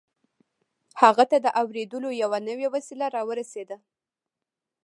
هغه ته د اورېدلو يوه نوې وسيله را ورسېده.